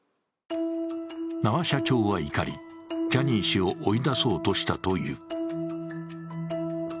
名和社長は怒り、ジャニー氏を追い出そうとしたという。